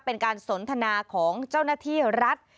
เป็นการสนทนาของเจ้าหน้าที่รัฐ